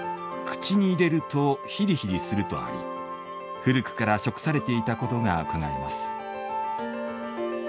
「口に入れるとヒリヒリする」とあり古くから食されていたことがうかがえます。